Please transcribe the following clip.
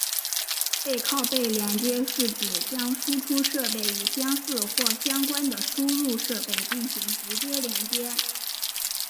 背靠背连接是指将输出设备与相似或相关的输入设备进行直接连接。